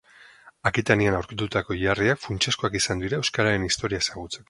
Akitanian aurkitutako hilarriak funtsezkoak izan dira euskararen historia ezagutzeko